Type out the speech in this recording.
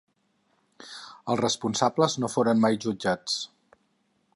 Els responsables no foren mai jutjats.